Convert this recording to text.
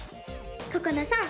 ここなさん